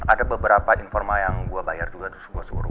ada beberapa informal yang gue bayar juga terus gue suruh